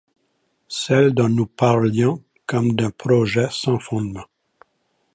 Celles dont nous parlions comme d'un projet sans fondements ?